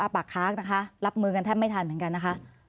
ปากค้างนะคะรับมือกันแทบไม่ทันเหมือนกันนะคะ